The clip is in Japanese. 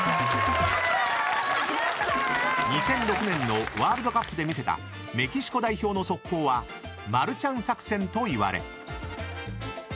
［２００６年のワールドカップで見せたメキシコ代表の速攻はマルちゃん作戦といわれ］